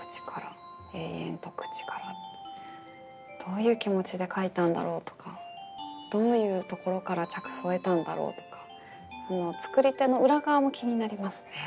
んとくちからどういう気持ちで書いたんだろうとかどういうところから着想を得たんだろうとか作り手の裏側も気になりますね。